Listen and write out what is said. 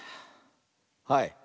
はい。